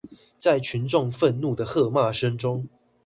在群眾憤怒的喝罵聲中